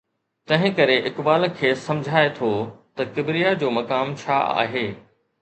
تنهن ڪري اقبال کيس سمجهائي ٿو ته ڪبريا جو مقام ڇا آهي؟